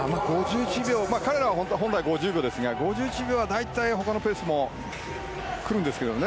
彼らは本来、５０秒ですが５１秒は大体、他の組もくるんですけどね